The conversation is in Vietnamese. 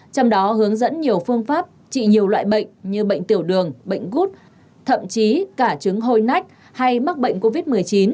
trong đó hướng dẫn nhiều phương pháp trị nhiều loại bệnh như bệnh tiểu đường bệnh gút thậm chí cả chứng hôi nách hay mắc bệnh covid một mươi chín